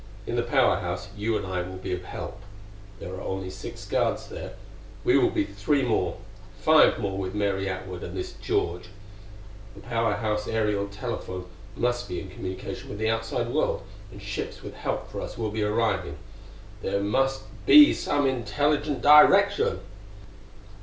In the Power House you and I will be of help. There are only six guards there; we will be three more; five more with Mary Atwood and this George. The Power House aerial telephone must be in communication with the outside world, and ships with help for us will be arriving. There must be some intelligent direction!"